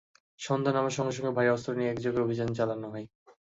সন্ধ্যা নামার সঙ্গে সঙ্গে ভারি অস্ত্র নিয়ে একযোগে অভিযান চালানো হয়।